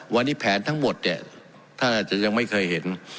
วันนี้แผนทั้งหมดเนี่ยท่านอาจจะยังไม่เคยเห็น